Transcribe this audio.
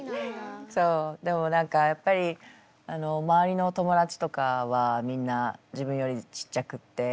そうでも何かやっぱり周りのお友達とかはみんな自分よりちっちゃくって。